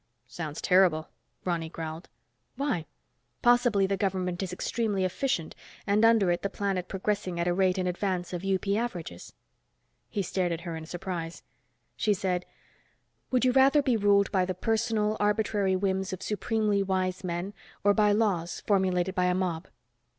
"Sounds terrible," Ronny growled. "Why? Possibly the government is extremely efficient and under it the planet progressing at a rate in advance of UP averages." He stared at her in surprise. She said, "Would you rather be ruled by the personal, arbitrary whims of supremely wise men, or by laws formulated by a mob?"